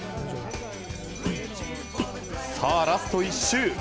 さあ、ラスト１周。